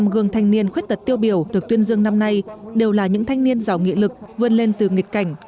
ba mươi năm gương thanh niên khuyết tật tiêu biểu được tuyên dương năm nay đều là những thanh niên giảo nghị lực vươn lên từ nghịch cảnh